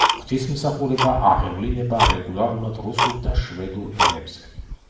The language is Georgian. ღვთისმსახურება აღევლინება რეგულარულად რუსულ და შვედურ ენებზე.